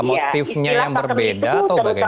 motifnya yang berbeda atau bagaimana